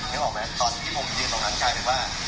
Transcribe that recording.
นึกออกไหมตอนที่ผมยืนตรงนั่งใจเลยว่า